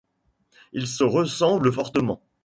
Ils se ressemblent fortement.